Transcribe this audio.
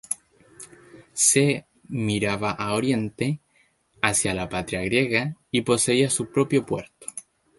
C.. Miraba a oriente, hacia la patria griega, y poseía su propio puerto.